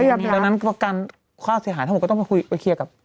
ดังนั้นประกันค่าเสียหายทั้งหมดก็ต้องไปคุยไปเคลียร์กับ